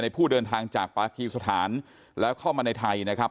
ผู้เดินทางจากปากีสถานแล้วเข้ามาในไทยนะครับ